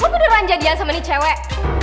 kok lu udah jadian sama nih cewek